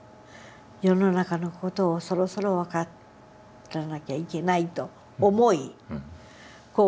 世の中の事をそろそろ分からなきゃいけない」と思い「紘子